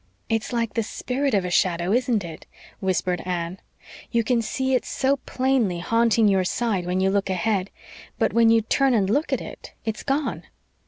"It's like the spirit of a shadow, isn't it?" whispered Anne. "You can see it so plainly haunting your side when you look ahead; but when you turn and look at it it's gone."